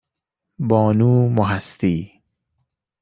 بانو مهستی